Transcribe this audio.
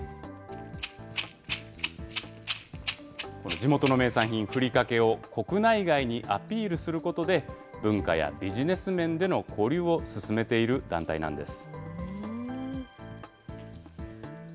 地元の名産品、ふりかけを国内外にアピールすることで、文化やビジネス面での交流を進めている団体なんです。